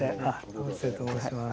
為末と申します。